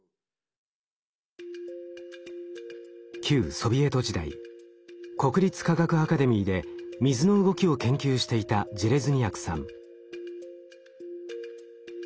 旧ソビエト時代国立科学アカデミーで水の動きを研究していたジェレズニヤクさん。